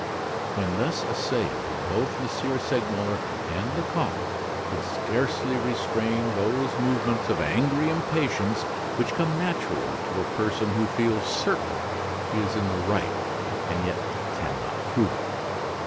When thus assailed, both M. Segmuller and Lecoq could scarcely restrain those movements of angry impatience which come naturally to a person who feels certain he is in the right and yet can not prove it.